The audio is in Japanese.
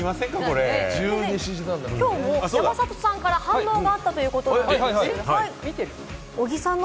きょう、山里さんから反応があったということで。